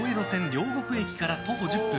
両国駅から徒歩１０分